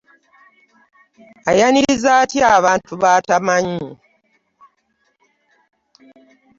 Ayaniriza atya abantu b’atamanyi!